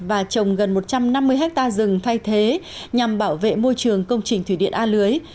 và trồng gần một trăm năm mươi hectare rừng thay thế nhằm bảo vệ môi trường công trình thủy điện a lưới